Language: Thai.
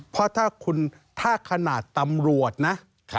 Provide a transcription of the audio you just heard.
เพราะถ้าคุณถ้าขนาดตำรวจนะ